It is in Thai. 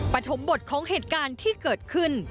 ปฐมบทของเหตุการณ์ที่เกิดขึ้น